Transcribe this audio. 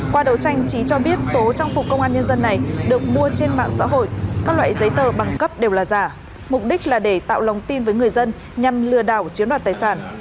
qua đầu tranh trí cho biết số trang phục công an nhân dân này được mua trên mạng xã hội các loại giấy tờ bằng cấp đều là giả mục đích là để tạo lòng tin với người dân nhằm lừa đảo chiếm đoạt tài sản